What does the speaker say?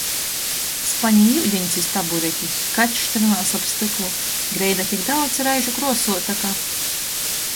Spanī iudiņs iz taburetis, kačs trynās ap styklu, greida tik daudz reižu kruosuota, ka